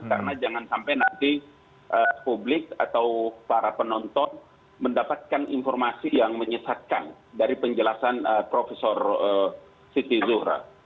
pada saat ini saya sudah mendapatkan informasi dari publik atau para penonton mendapatkan informasi yang menyesatkan dari penjelasan profesor siti zuhra